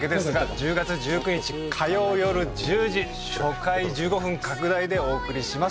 １０月１９日火曜よる１０時初回１５分拡大でお送りします